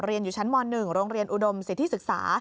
อยู่ชั้นม๑โรงเรียนอุดมสิทธิศึกษา